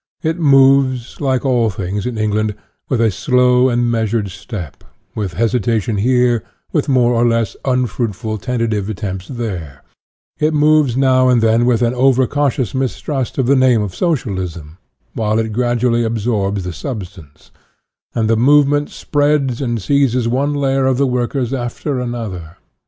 It moves, like all things in England, with a slow and measured step, with hesitation here, with more or less un fruitful, tentative attempts there; it moves now and then with an over cautious mistrust of the name of Socialism, while it gradually absorbs the substance; and the movement spreads and seizes one layer of the workers after another.